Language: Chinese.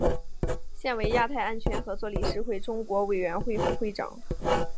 现为亚太安全合作理事会中国委员会副会长。